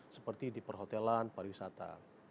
seperti di perhotelan pariwisata